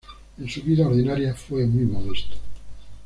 En su vida ordinaria fue muy modesto.